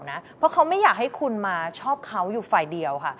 เพราะเขาไม่อยากให้คุณมาชอบเขาอยู่ฝ่ายเดียวค่ะ